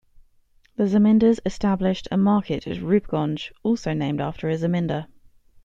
The zamindars established a market at Roopgonj, also named after a zamindar.